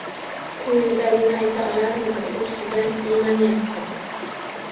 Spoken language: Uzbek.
Koʻnglidagini ayta olarmidi… U sizdan iymanyapti!